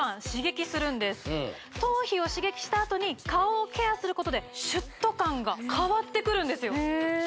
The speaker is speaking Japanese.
頭皮を刺激したあとに顔をケアすることでシュッと感が変わってくるんですよ